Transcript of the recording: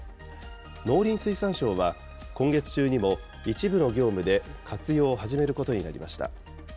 農林水産省は、今月中にも一部の業務で活用を始めることになりました。